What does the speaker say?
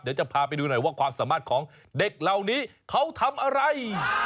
เดี๋ยวจะพาไปดูหน่อยว่าความสามารถของเด็กเหล่านี้เขาทำอะไร